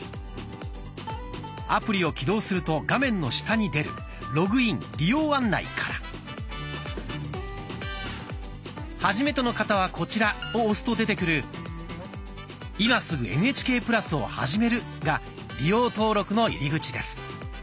アプリを起動すると画面の下に出る「ログイン・利用案内」から「はじめての方はこちら」を押すと出てくる「今すぐＮＨＫプラスをはじめる」が利用登録の入り口です。